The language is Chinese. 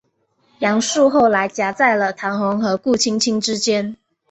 杨树后来夹在了唐红和顾菁菁之间。